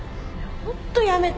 ホントやめて！